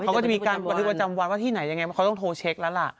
เขาก็จะมีการบันทึกประจำวันว่าที่ไหนยังไงเขาต้องโทรเช็คแล้วล่ะ